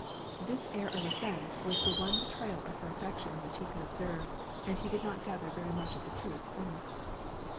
This air of offence was the one betrayal of her affection which he could observe, and he did not gather very much of the truth from it.